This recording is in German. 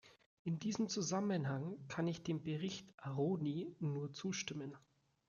In diesem Zusammenhang kann ich dem Bericht Arroni nur zustimmen.